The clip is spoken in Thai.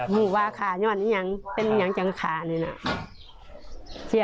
เมื่อเมื่อ